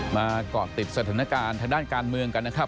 มาเกาะติดสถานการณ์ทางด้านการเมืองกันนะครับ